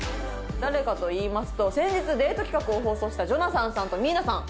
誰かといいますと先日デート企画を放送したジョナサンさんとミーナさん。